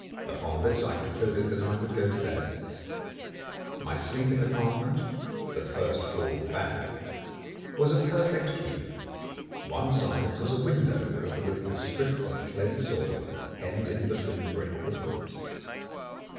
Upon this I concluded that I would go to bed. My sleeping apartment the first floor back was a perfect cube. One side was a window overlooking a strip of clay soil hemmed in between brick walls.